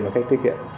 và cách tiết kiệm